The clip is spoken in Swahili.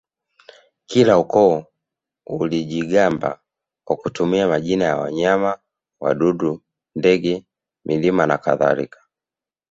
Kila ukoo ulijigamba kwa kutumia majina ya wanyama wadudu ndege milima na kadhalika